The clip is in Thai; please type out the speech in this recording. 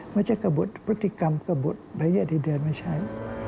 ไม่ใช่กบทพฤติกรรมกบทแบบนี้อดีตเดือนไม่ใช่